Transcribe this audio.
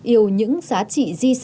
yêu những giá trị di sản để lại cho mai sau